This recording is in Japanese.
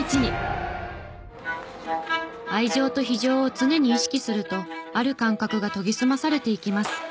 愛情と非情を常に意識するとある感覚が研ぎ澄まされていきます。